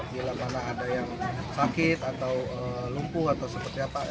bila mana ada yang sakit atau lumpuh atau seperti apa